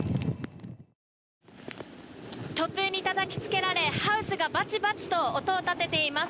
突風にたたきつけられハウスがバチバチと音を立てています。